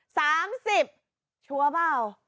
สามสิบชัวร์เปล่า